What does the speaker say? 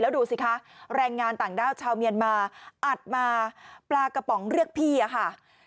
ดูสิคะแรงงานต่างด้าวชาวเมียนมาอัดมาปลากระป๋องเรียกพี่อะค่ะ